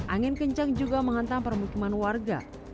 angin kencang juga menghantam permukiman warga